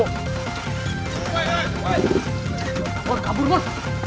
kabur kabur mon